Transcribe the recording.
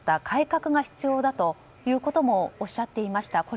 改革が必要だということもおっしゃっていました。